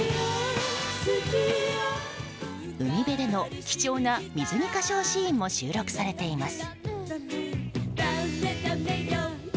海辺での貴重な水着歌唱シーンも収録されています。